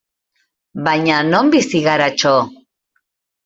Baina non bizi gara, txo!